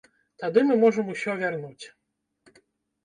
Тады мы можам усё вярнуць.